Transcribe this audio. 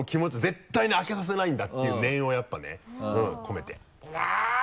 絶対に開けさせないんだっていう念をやっぱね込めて。